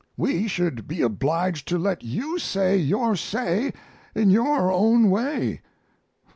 We should be obliged to let you say your say in your own way.